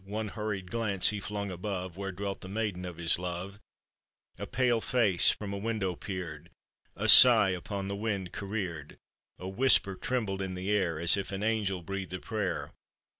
One hurried glance he flung above, Where dwelt the maiden of his love — A pale face from a window peered, A sigh upon the wind careered, A whisper trembled in the air, As if an angel breathed a prayer.